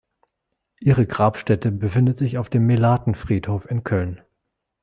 Ihre Grabstätte befindet sich auf dem Melaten-Friedhof in Köln.